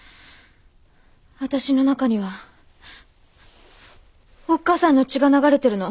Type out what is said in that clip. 私の中にはおっ母さんの血が流れてるの。